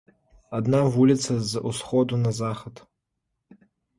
Адна вуліца з усходу на захад.